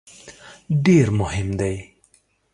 ډېر مهم دی.